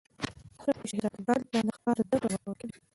په حرم کې شهزادګانو ته د ښکار زده کړه ورکول کېده.